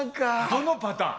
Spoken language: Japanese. どのパターン？